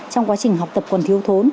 trong quá trình học tập còn thiếu thốn